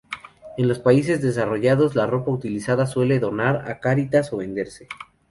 En los países desarrollados, la ropa utilizada se suele donar a Cáritas o venderse.